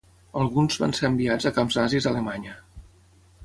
Alguns van ser enviats a camps nazis a Alemanya.